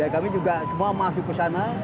kami juga semua masuk ke sana